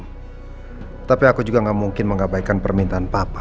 hai tapi aku juga nggak mungkin mengabaikan permintaan papa